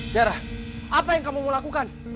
darah apa yang kamu mau lakukan